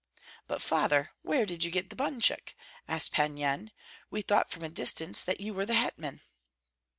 "But, father, where did you get the bunchuk?" asked Pan Yan. "We thought from a distance that you were the hetman."